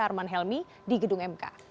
arman helmi di gedung mk